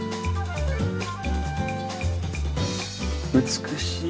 美しい。